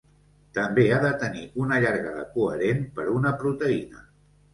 També ha de tenir una llargada coherent per una proteïna.